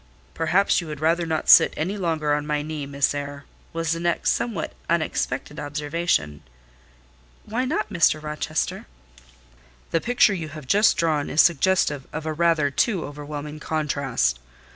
"Perhaps you would rather not sit any longer on my knee, Miss Eyre?" was the next somewhat unexpected observation. "Why not, Mr. Rochester?" "The picture you have just drawn is suggestive of a rather too overwhelming contrast.